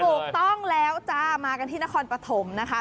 ถูกต้องแล้วจ้ามากันที่นครปฐมนะคะ